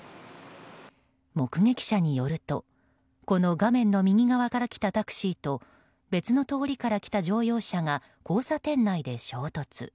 目撃者によるとこの画面の右側から来たタクシーと別の通りから来た乗用車が交差点内で衝突。